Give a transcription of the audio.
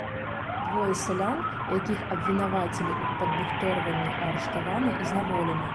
Двое сялян, якіх абвінавацілі ў падбухторванні, арыштаваны і зняволены.